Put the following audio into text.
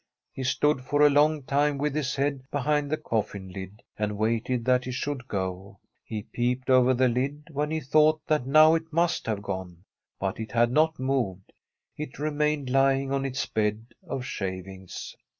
He stood for a long time with his head behind the coffin lid and waited, that it should go. He peeped over the lid when he thought that now it must have gone. But it had not moved ; it remained lying on its bed of shavings.